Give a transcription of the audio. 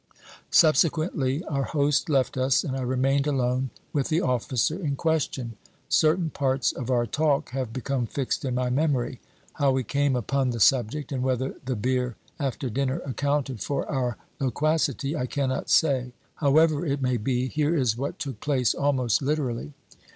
Subsequently our host left us and I remained alone with the officer in question. Certain parts of our talk have become fixed in my memory. How we came upon the subject, and whether the beer after dinner accounted for our loquacity, I cannot say ; however it may be, here is what took place almost literally.